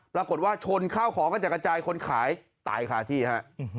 ปรากฏว่าชนข้าวของก็จะกระจายคนขายตายคาที่ฮะ